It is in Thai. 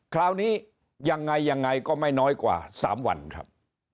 คราวนี้ยังไงยังไงก็ไม่น้อยกว่า๓วันครับ